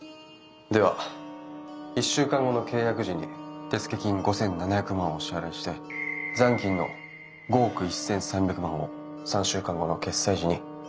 では１週間後の契約時に手付金５，７００万をお支払いして残金の５億１，３００万を３週間後の決済時に振り込ませていただきます。